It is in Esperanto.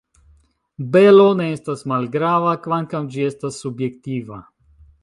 Belo ne estas malgrava, kvankam ĝi estas subjektiva.